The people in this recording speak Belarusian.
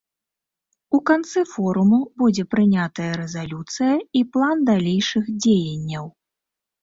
У канцы форуму будзе прынятая рэзалюцыя і план далейшых дзеянняў.